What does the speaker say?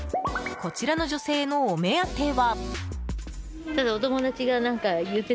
こちらの女性のお目当ては。